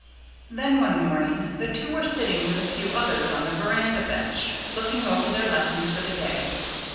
Then, one morning, the two were sitting with a few others on the verandah bench, looking over their lessons for the day.